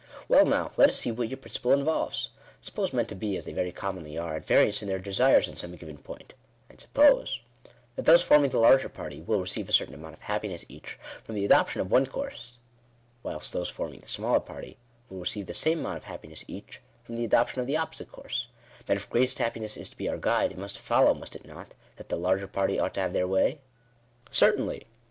" Well now, let us see what your principle involves. Sup pose men to be, as they very commonly are, at variance in their desires on some given point; and suppose that those forming the larger party will receive a certain amount of hap piness each, from the adoption of one course, whilst those forming the smaller party will receive the same amount of hap piness each, from the adoption of the opposite course : then if 'greatest happiness' is to be our guide, it must follow, must it not, that the larger party ought to have their way ?" "Certainly."